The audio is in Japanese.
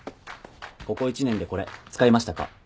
ここ一年でこれ使いましたか？